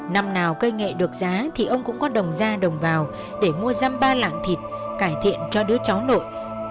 năm nào cây nghệ được giá thì ông cũng có đồng ra đồng vào để mua răm ba lạng thịt cải thiện cho đứa cháu nội